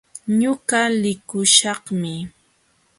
Ñuqa likuśhaqmi.